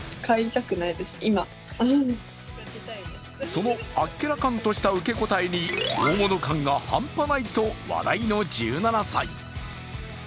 そのあっけらかんとした受け答えに、大物感が半端ないと話題の１７歳。